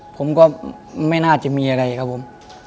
ผมก็ไม่น่าจะมีอะไรครับผม